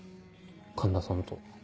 環田さんと。